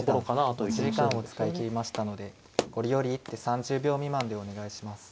佐々木七段持ち時間を使い切りましたのでこれより一手３０秒未満でお願いします。